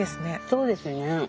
そうですね。